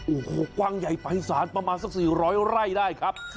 โอ้โหกว้างใหญ่ไปสารประมาณสัก๔๐๐ไร่ได้ครับ